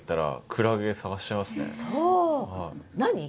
何？